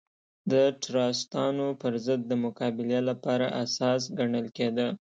د ټراستانو پر ضد د مقابلې لپاره اساس ګڼل کېده.